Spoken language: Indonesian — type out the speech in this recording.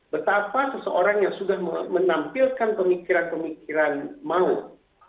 betapa seseorang yang sudah menampilkan pemikiran pemikiran maut